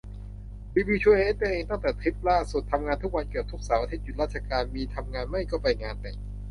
รีวิวชีวิตตัวเองตั้งแต่ทริปล่าสุด ทำงานทุกวัน เกือบทุกเสาร์อาทิตย์หยุดราชการ มีทำงานไม่ก็ไปงานแต่ง